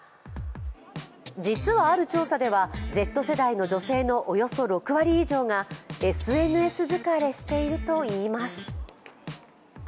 実は、ある調査ではＺ世代の女性のおよそ６割以上がＳＮＳ疲れしているといいます。